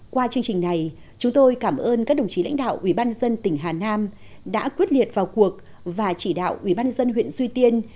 qua chương trình này chúng tôi cảm ơn các đồng chí lãnh đạo ubnd tỉnh hà nam đã quyết liệt vào cuộc và chỉ đạo ubnd huyện duy tiên